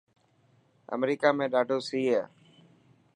امريڪا ۾ڏاڌو سي هي.